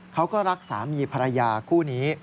เขาก็รักสามีภรรยาคู่นี้